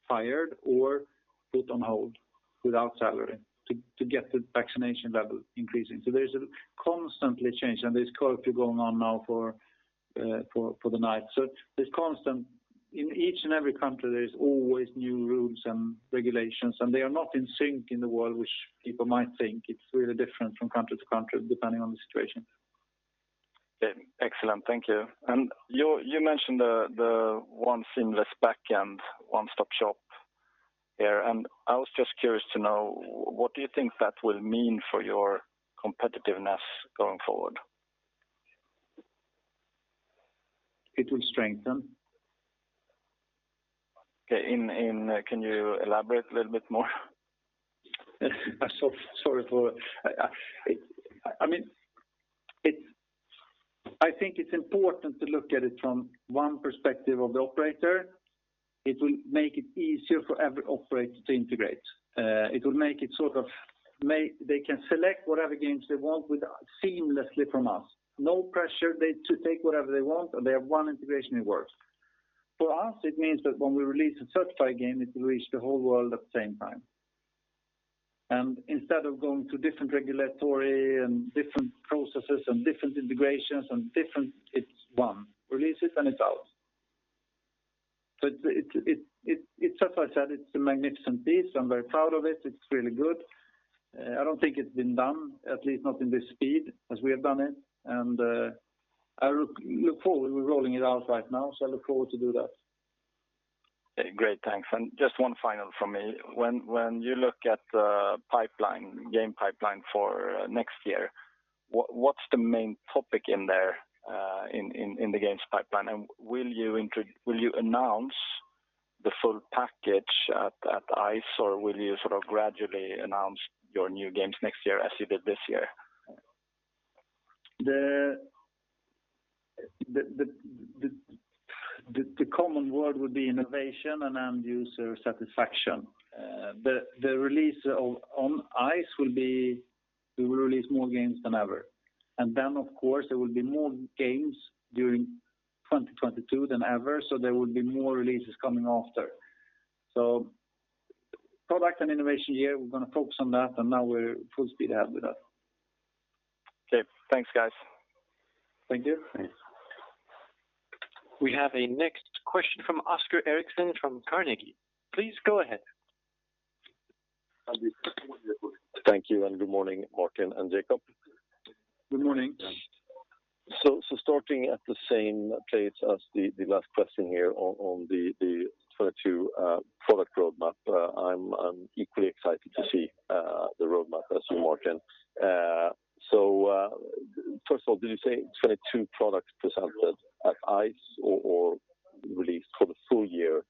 fired or put on hold without salary to get the vaccination level increasing. There's a constant change and there's curfew going on now for the night. There's constant change in each and every country, there's always new rules and regulations, and they are not in sync in the world, which people might think, it's really different from country to country depending on the situation. Okay. Excellent. Thank you. You mentioned the one seamless backend, one-stop shop there, and I was just curious to know what do you think that will mean for your competitiveness going forward? It will strengthen. Okay. Can you elaborate a little bit more? I mean, it's important to look at it from one perspective of the operator. It will make it easier for every operator to integrate. It will make it sort of they can select whatever games they want seamlessly from us. No pressure. They take whatever they want, and they have one integration, it works. For us, it means that when we release a certified game, it will reach the whole world at the same time. Instead of going through different regulatory and different processes and different integrations and different. It's one. Release it and it's out. It's as I said, it's a magnificent piece. I'm very proud of it. It's really good. I don't think it's been done, at least not in this speed as we have done it. I look forward to rolling it out right now, so I look forward to do that. Great. Thanks. Just one final from me. When you look at the pipeline, game pipeline for next year, what's the main topic in there, in the games pipeline? And will you announce the full package at ICE, or will you sort of gradually announce your new games next year as you did this year? The common word would be innovation and end user satisfaction. The release on ICE will be we will release more games than ever. Then of course, there will be more games during 2022 than ever, so there will be more releases coming after. Product and innovation year, we're gonna focus on that, and now we're full speed ahead with that. Okay. Thanks, guys. Thank you. Thanks. We have a next question from Oscar Rönnkvist from Carnegie. Please go ahead. Thank you, and good morning, Martin and Jacob. Good morning. Starting at the same place as the last question here on the 22 product roadmap, I'm equally excited to see the roadmap as you Martin. First of all, did you say 22 products presented at ICE or released for the full year?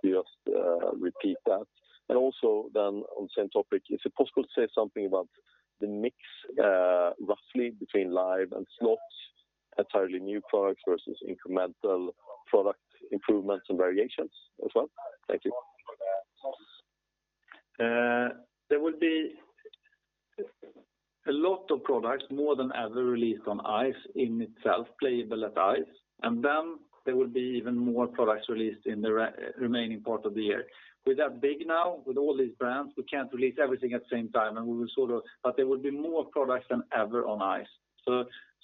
Can you just repeat that. Also then on the same topic, is it possible to say something about the mix, roughly between live and slots, entirely new products versus incremental product improvements and variations as well? Thank you. There will be a lot of products, more than ever released on ICE in itself, playable at ICE. Then there will be even more products released in the remaining part of the year. We're that big now with all these brands, we can't release everything at the same time. There will be more products than ever on ICE.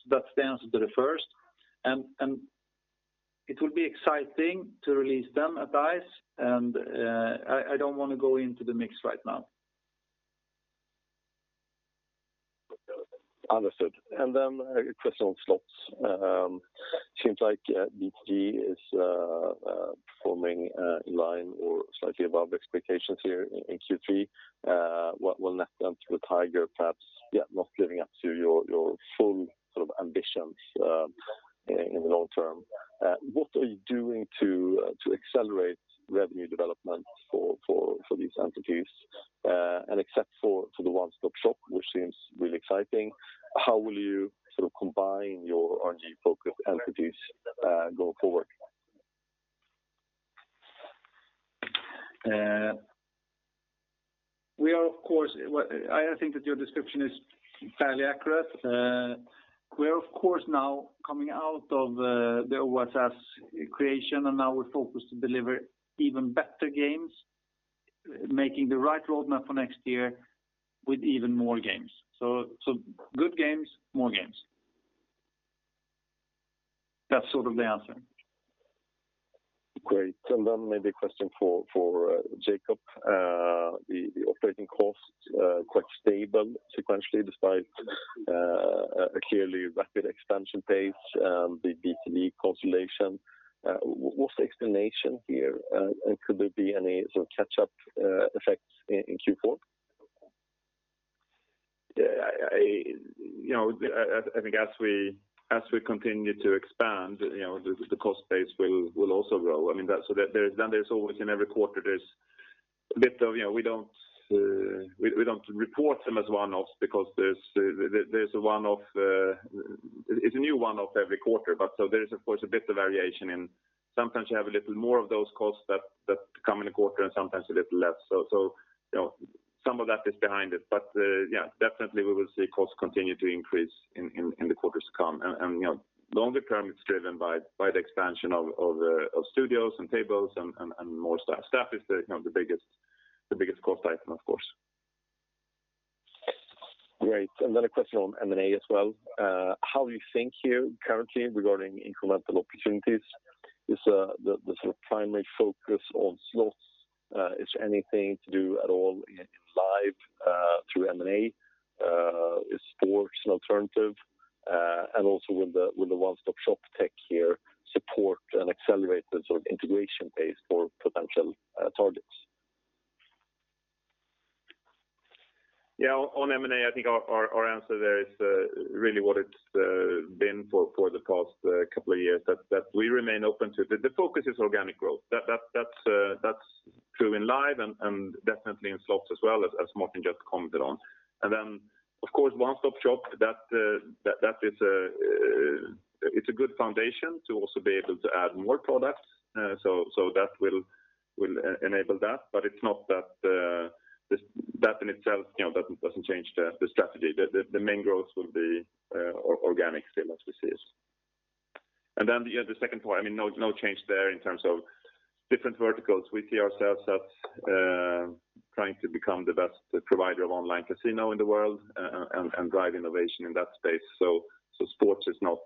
That's the answer to the first. It will be exciting to release them at ICE. I don't wanna go into the mix right now. Understood. A question on slots. Seems like BTG is performing in line or slightly above expectations here in Q3. What about NetEnt, Red Tiger, perhaps yet not living up to your full sort of ambitions in the long term. What are you doing to accelerate revenue development for these entities? Except for the One Stop Shop, which seems really exciting, how will you sort of combine your RNG-focused entities going forward? Well, I think that your description is fairly accurate. We are of course now coming out of the OSS creation, and now we're focused to deliver even better games, making the right roadmap for next year with even more games. Good games, more games. That's sort of the answer. Great. Maybe a question for Jacob. The operating costs quite stable sequentially despite a clearly rapid expansion pace, the B2B consolidation. What's the explanation here? Could there be any sort of catch up effects in Q4? Yeah, you know, I think as we continue to expand, you know, the cost base will also grow. I mean, then there's always in every quarter a bit of, you know, we don't report them as one-offs because there's a one-off, it's a new one-off every quarter. So there is of course a bit of variation and sometimes you have a little more of those costs that come in a quarter and sometimes a little less. So, you know, some of that is behind it. Yeah, definitely we will see costs continue to increase in the quarters to come. You know, longer term, it's driven by the expansion of studios and tables and more staff. Staff is the, you know, the biggest cost item, of course. Great. Another question on M&A as well. How do you think here currently regarding incremental opportunities? Is the sort of primary focus on slots, is anything to do at all in live through M&A? Is sports an alternative? And also will the one-stop-shop tech here support and accelerate the sort of integration pace for potential targets? Yeah, on M&A, I think our answer there is really what it's been for the past couple of years that we remain open to it. The focus is organic growth. That's true in Live and definitely in Slots as well as Martin just commented on. Of course, One-Stop Shop that is it's a good foundation to also be able to add more products. So that will enable that, but it's not that that in itself, you know, doesn't change the strategy. The main growth will be organic same as we've said. Yeah, the second point, I mean, no change there in terms of different verticals. We see ourselves as trying to become the best provider of online casino in the world and drive innovation in that space. Sports is not,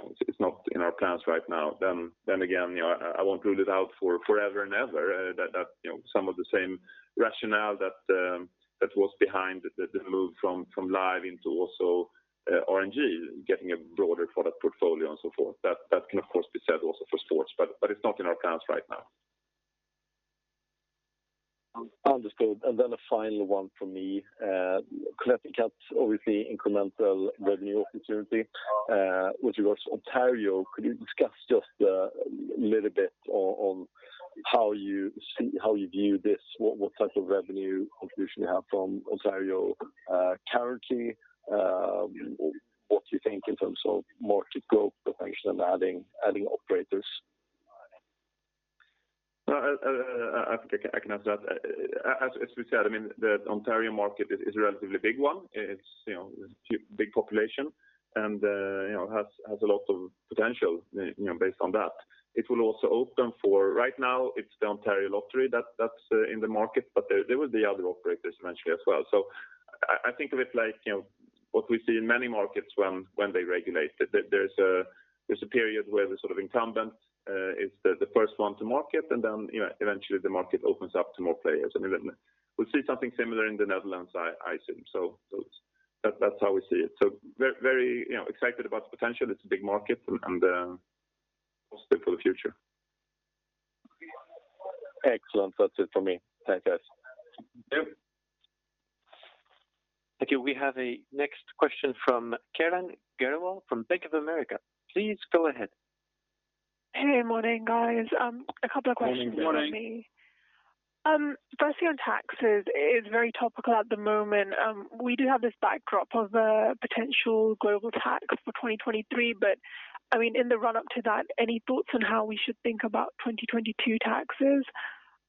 you know, it's not in our plans right now. Again, you know, I won't rule it out for forever and ever. That you know some of the same rationale that was behind the move from Live into also RNG, getting a broader product portfolio and so forth, that can of course be said also for sports, but it's not in our plans right now. Understood. A final one from me. Collective Cats, obviously incremental revenue opportunity with regards to Ontario, could you discuss just a little bit on how you view this? What type of revenue contribution you have from Ontario currently? What do you think in terms of market growth potential and adding operators? I think I can answer that. As we said, I mean, the Ontario market is a relatively big one. It's you know big population and you know has a lot of potential you know based on that. It will also open for. Right now it's the Ontario Lottery that's in the market but there will be other operators eventually as well. I think of it like you know what we see in many markets when they regulate. There's a period where the sort of incumbent is the first one to market and then you know eventually the market opens up to more players. I mean we'll see something similar in the Netherlands I assume. That's how we see it. Very, you know, excited about the potential. It's a big market and positive for the future. Excellent. That's it for me. Thanks, guys. Thank you. Thank you. We have a next question from Kiranjot Grewal from Bank of America. Please go ahead. Hey, morning, guys. A couple of questions from me. Morning, Kiranjot. Firstly on taxes is very topical at the moment. We do have this backdrop of a potential global tax for 2023, but I mean, in the run-up to that, any thoughts on how we should think about 2022 taxes?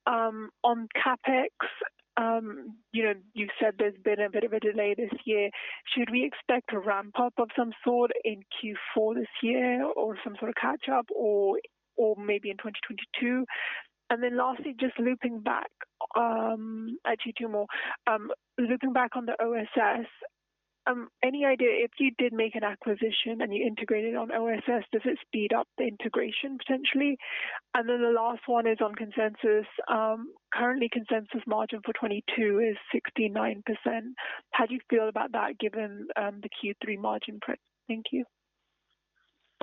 On CapEx, you know, you said there's been a bit of a delay this year. Should we expect a ramp-up of some sort in Q4 this year or some sort of catch up or maybe in 2022? And then lastly, just looping back, actually two more. Looping back on the OSS, any idea if you did make an acquisition and you integrated on OSS, does it speed up the integration potentially? And then the last one is on consensus. Currently consensus margin for 2022 is 69%. How do you feel about that given the Q3 margin print? Thank you.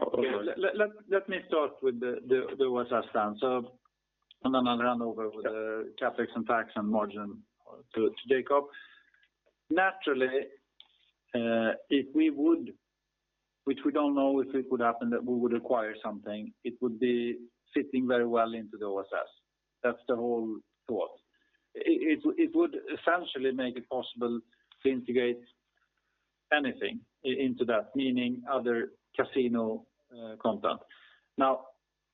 Okay. Let me start with the OSS stance. I'll hand over, with the CapEx and tax and margin, to Jacob. Naturally, if we would, which we don't know if it would happen, that we would acquire something, it would be fitting very well into the OSS. That's the whole thought. It would essentially make it possible to integrate anything into that, meaning other casino content. Now,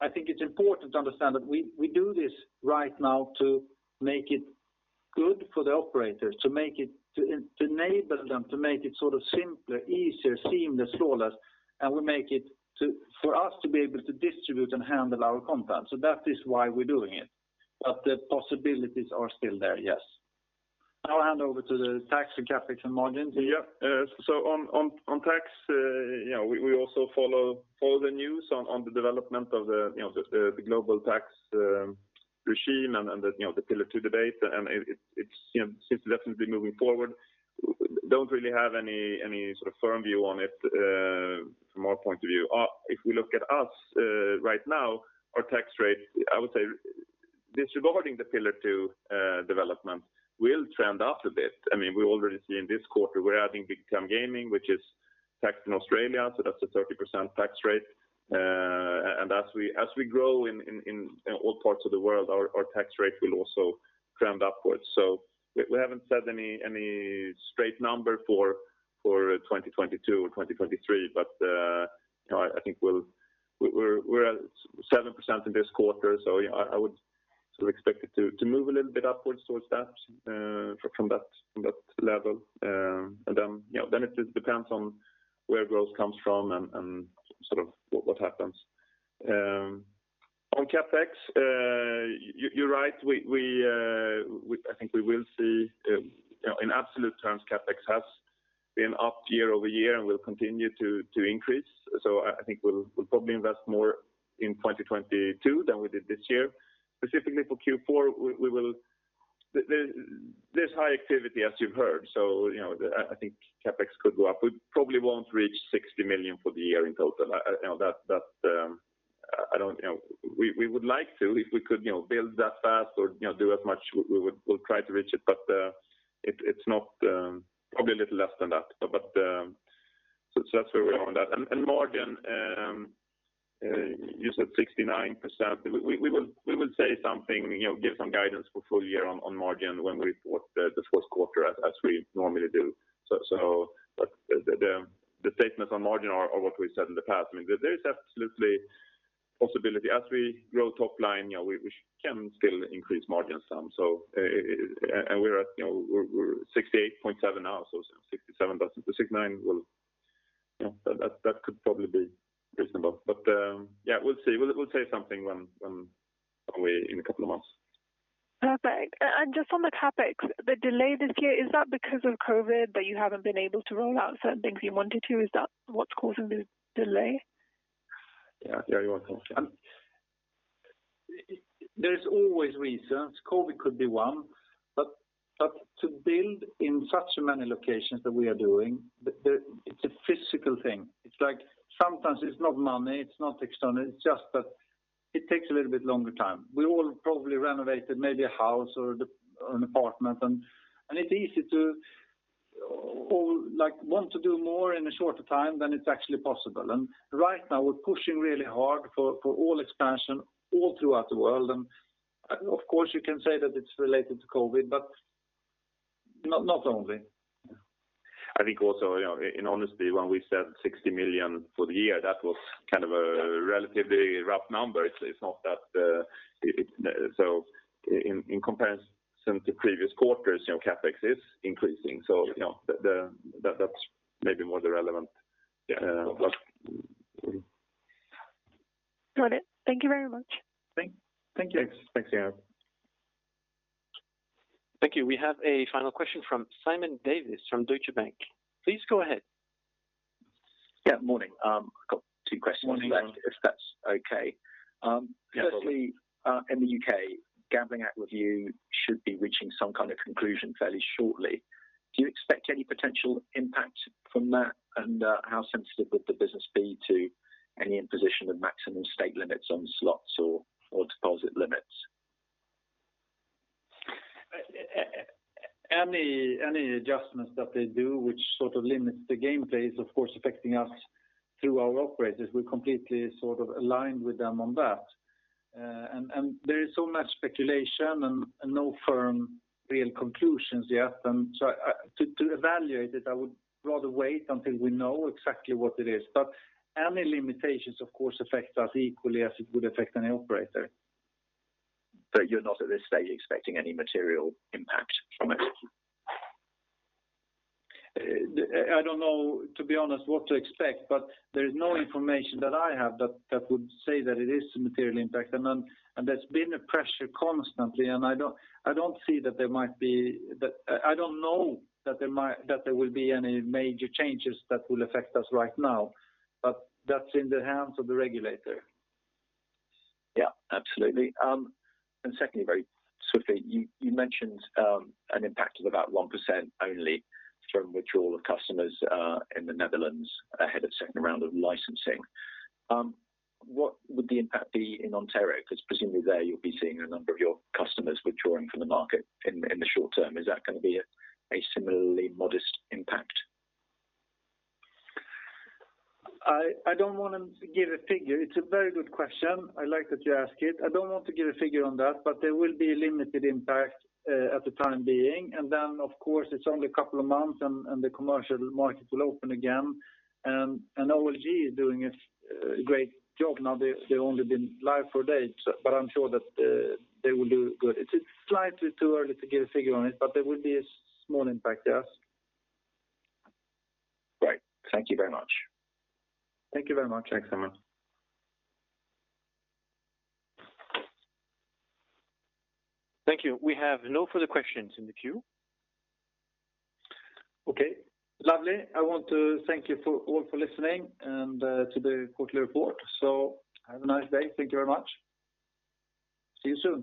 I think it's important to understand that we do this right now to make it good for the operators, to enable them to make it sort of simpler, easier, seamless, flawless, and we make it for us to be able to distribute and handle our content. That is why we're doing it. The possibilities are still there, yes. I'll hand over to the tax and CapEx and margin to you. Yeah. On tax, you know, we also follow the news on the development of the global tax regime and the Pillar Two debate, and it seems definitely moving forward. We don't really have any sort of firm view on it from our point of view. If we look at us right now, our tax rate I would say disregarding the Pillar Two development will trend up a bit. I mean, we already see in this quarter, we're adding Big Time Gaming, which is taxed in Australia, so that's a 30% tax rate. As we grow in all parts of the world, our tax rate will also trend upwards. We haven't said any straight number for 2022 or 2023, but you know, I think we're at 7% in this quarter, yeah, I would sort of expect it to move a little bit upwards towards that from that level. You know, it just depends on where growth comes from and sort of what happens. On CapEx, you're right, I think we will see, you know, in absolute terms, CapEx has been up year-over-year and will continue to increase. I think we'll probably invest more in 2022 than we did this year. Specifically for Q4, there's high activity, as you've heard. You know, I think CapEx could go up. We probably won't reach 60 million for the year in total. I don't know. We would like to if we could, you know, build that fast or, you know, do as much. We'll try to reach it, but it's probably a little less than that. That's where we are on that. Margin, you said 69%. We will say something, you know, give some guidance for full year on margin when we report the Q1 as we normally do. The statements on margin are what we've said in the past. I mean, there is absolute possibility as we grow top line, you know, we can still increase margin some. We're at, you know, 68.7% now, so 67%. But the 69% will, you know, that could probably be reasonable. But, yeah, we'll see. We'll say something when, probably in a couple of months. Perfect. Just on the CapEx, the delay this year, is that because of COVID that you haven't been able to roll out certain things you wanted to? Is that what's causing the delay? Yeah. Yeah, you wanna talk? There is always reasons. COVID could be one. To build in so many locations that we are doing. It's a physical thing. It's like sometimes it's not money, it's not external, it's just that it takes a little bit longer time. We all probably renovated maybe a house or an apartment and it's easy to all like want to do more in a shorter time than it's actually possible. Right now we're pushing really hard for all expansion all throughout the world. Of course you can say that it's related to COVID, but not only. I think also, you know, in honesty, when we said 60 million for the year, that was kind of a relatively rough number. It's not that. In comparison to previous quarters, you know, CapEx is increasing. You know, that's maybe more the relevant look. Got it. Thank you very much. Thank you. Thanks. Thanks, Jacob. Thank you. We have a final question from Simon Davies from Deutsche Bank. Please go ahead. Yeah, morning. I've got two questions left- Morning, Simon. if that's okay. Yeah. Firstly, in the U.K., Gambling Act review should be reaching some kind of conclusion fairly shortly. Do you expect any potential impact from that? How sensitive would the business be to any imposition of maximum stake limits on slots or deposit limits? Any adjustments that they do which sort of limits the gameplay is of course affecting us through our operators. We're completely sort of aligned with them on that. There is so much speculation and no firm real conclusions yet. To evaluate it, I would rather wait until we know exactly what it is. Any limitations of course affect us equally as it would affect any operator. You're not at this stage expecting any material impact from it? I don't know, to be honest, what to expect, but there is no information that I have that would say that it is a material impact. There's been a pressure constantly, and I don't see that there will be any major changes that will affect us right now. That's in the hands of the regulator. Yeah, absolutely. Secondly, very swiftly, you mentioned an impact of about 1% only from withdrawal of customers in the Netherlands ahead of second round of licensing. What would the impact be in Ontario? 'Cause presumably there you'll be seeing a number of your customers withdrawing from the market in the short term. Is that gonna be a similarly modest impact? I don't wanna give a figure. It's a very good question. I like that you ask it. I don't want to give a figure on that, but there will be a limited impact at the time being. Then of course it's only a couple of months and the commercial market will open again. OLG is doing a great job. Now, they've only been live for a day, but I'm sure that they will do good. It's slightly too early to give a figure on it, but there will be a small impact, yes. Great. Thank you very much. Thank you very much. Thanks, Simon. Thank you. We have no further questions in the queue. Okay. Lovely. I want to thank you all for listening to the quarterly report. Have a nice day. Thank you very much. See you soon.